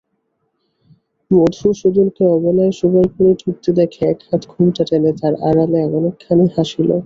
মধুসূদনকে অবেলায় শোবার ঘরে ঢুকতে দেখে একহাত ঘোমটা টেনে তার আড়ালে অনেকখানি হাসলে।